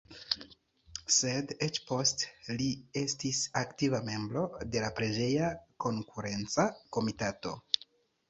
Sed eĉ poste li estis aktiva membro de la preĝeja konkurenca komitato.